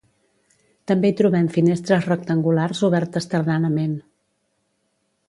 També hi trobem finestres rectangulars obertes tardanament.